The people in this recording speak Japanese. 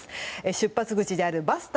出発口であるバスタ